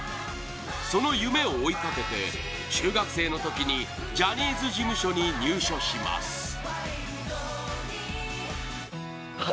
その夢を追いかけて中学生の時にジャニーズ事務所に入所しますへえ・